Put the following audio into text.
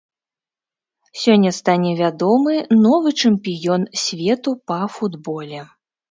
Сёння стане вядомы новы чэмпіён свету па футболе.